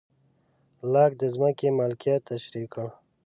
لاک د ځمکې مالکیت تشرېح کړ.